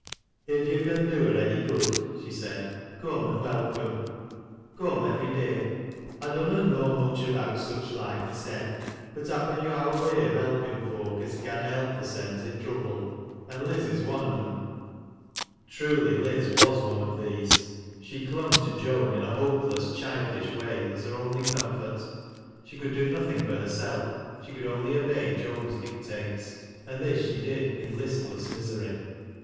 " If yo' can do her any good," she said, " come and velcorae. Come every day. I dunnot know much about juch like mysen, but happen yo' ha' a way o' helpin' folk as canna help theirsens i' trouble — an' Liz is one on 'em." Truly Liz was one of these. She clung to Joan in a hopeless, childish way, as her only comfort. She could do nothing for herself, she could only obey Joan's dic tates, and this she did in listless misery.